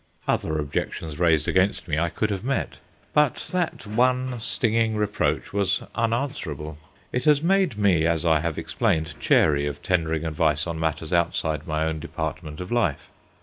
Other objections raised against me I could have met. But that one stinging reproach was unanswerable. It has made me, as I have explained, chary of tendering advice on matters outside my own department of life.